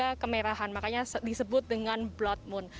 dan juga kemerahan makanya disebut dengan blood moon